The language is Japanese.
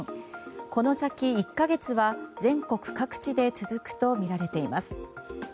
この先、１か月は全国各地で続くとみられています。